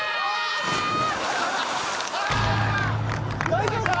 ・大丈夫か？